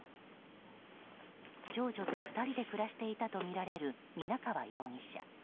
長女と２人で暮らしていたとみられる皆川容疑者。